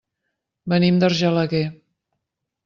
Venim d'Argelaguer.